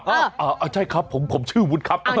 อ้าวใช่ครับผมชื่อวุฒิครับ